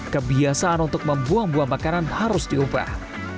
kebiasaan untuk membuang buang makanan harus diubah